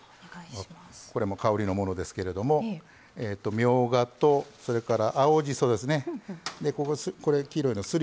これも香りのものですけどみょうがと、青じそですね。